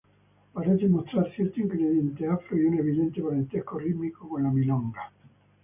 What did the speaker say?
Parece mostrar cierto ingrediente afro y un evidente parentesco rítmico con la milonga.